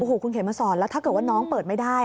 คุณเขมมาสอนแล้วถ้าเกิดว่าน้องเปิดไม่ได้